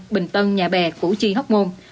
bình tân nhà bè củ chi hóc môn